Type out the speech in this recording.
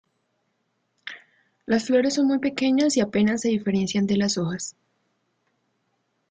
Las flores son muy pequeñas y apenas se diferencian de las hojas.